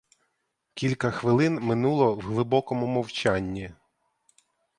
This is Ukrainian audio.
Кілька хвилин минуло в глибокому мовчанні.